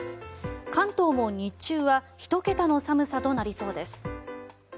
関東も日中は１桁の寒さとなりそうです。